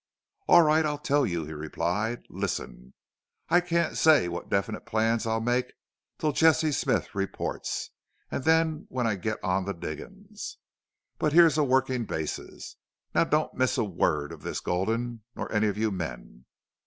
"All right, I'll tell you," he replied. "Listen.... I can't say what definite plans I'll make till Jesse Smith reports, and then when I get on the diggings. But here's a working basis. Now don't miss a word of this, Gulden nor any of you men.